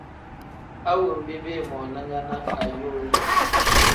A wenbi biimoona nya ne aho.